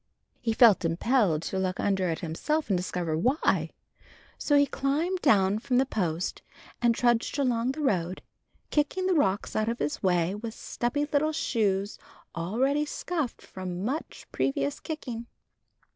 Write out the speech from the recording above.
He felt impelled to look under it himself and discover why. So he climbed down from the post and trudged along the road, kicking the rocks out of his way with stubby little shoes already scuffed from much previous kicking.